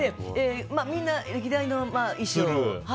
みんな歴代の衣装。